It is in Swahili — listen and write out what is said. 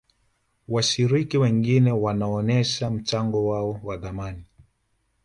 washiriki wengine wanaonesha mchango wao wa thamani